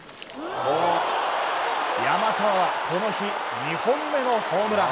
山川はこの日、２本目のホームラン。